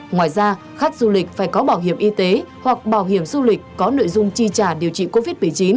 ngoài ra khách du lịch phải có bảo hiểm y tế hoặc bảo hiểm du lịch có nội dung chi trả điều trị covid một mươi chín